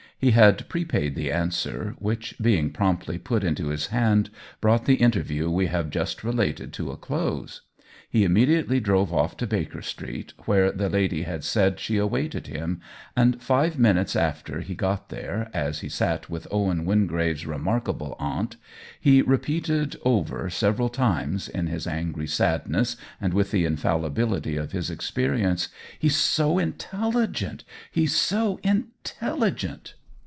He had prepaid the an swer, which, being promptly put into his hand, brought the interview we have just related to a close. He immediately drove off to Baker Street, where the lady had said she awaited him, and five minutes after he got there, as he sat with Owen Win gravels remarkable aunt, he repeated over OWEN WINGRAVE 159 several times, in his angry sadness and with the infallibility of his experience :" He*s so intelligent — he's so intelligent!'